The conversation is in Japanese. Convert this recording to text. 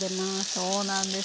そうなんです